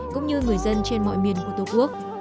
cũng như người dân trên mọi miền của tổ quốc